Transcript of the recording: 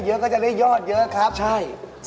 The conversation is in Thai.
ยืนไกลคุณผู้หญิงชาติ